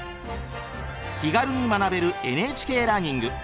気軽に学べる「ＮＨＫラーニング」。